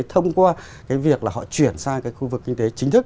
thông qua cái việc là họ chuyển sang cái khu vực kinh tế chính thức